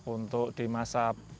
untuk di masa